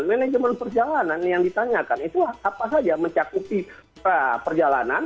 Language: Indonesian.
manajemen perjalanan yang ditanyakan itu apa saja mencakupi perjalanan